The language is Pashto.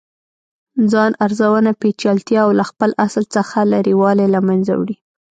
ځان ارزونه پیچلتیا او له خپل اصل څخه لرې والې له منځه وړي.